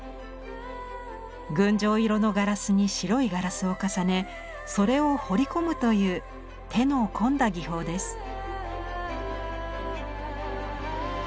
群青色のガラスに白いガラスを重ねそれを彫り込むという手の込んだ技法です。